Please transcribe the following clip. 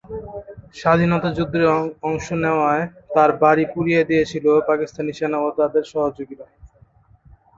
স্বাধীনতা যুদ্ধে অংশ নেওয়ায় তার বাড়ি পুড়িয়ে দিয়েছিল পাকিস্তানী সেনা ও তাদের সহযোগীরা।